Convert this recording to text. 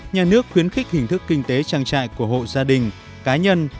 nhà nước khuyến khích hình thức kinh tế trang trại của hộ gia đình cá nhân